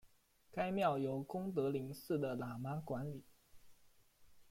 该庙由功德林寺的喇嘛管理。